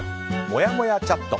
もやもやチャット。